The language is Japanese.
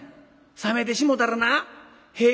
冷めてしもたらな屁ぇ